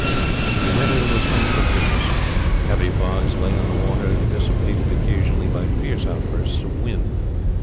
The weather was unpropitious, heavy fogs lay on the water, dissipated occasionally by fierce outbursts of wind.